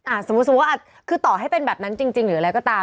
สมมุติว่าคือต่อให้เป็นแบบนั้นจริงหรืออะไรก็ตาม